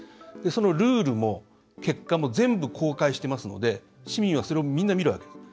そのルールも結果も全部、公開してますので市民はそれをみんな見るわけです。